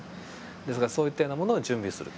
ですからそういったようなものを準備する。